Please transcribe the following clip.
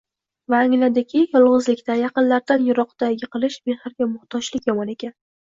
Va angladiki, yolg’izlikda, yaqinlaridan yiroqda yiqilish – mehrga muhtojlik yomon ekan